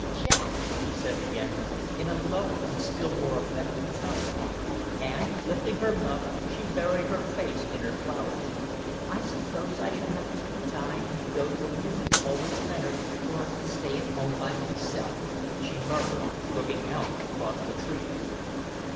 "Jack!" she said again, in a lower and still more effective tone; and, lifting her muff, she buried her face in her flowers. "I suppose I shall have to dine and go to a music hall with Leonard or stay at home by myself," she murmured, looking out across the trees.